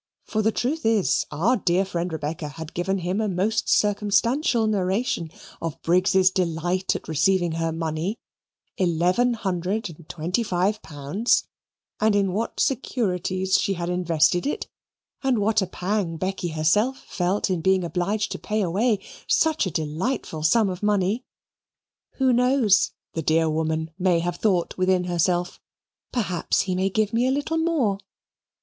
For the truth is, our dear friend Rebecca had given him a most circumstantial narration of Briggs's delight at receiving her money eleven hundred and twenty five pounds and in what securities she had invested it; and what a pang Becky herself felt in being obliged to pay away such a delightful sum of money. "Who knows," the dear woman may have thought within herself, "perhaps he may give me a little more?"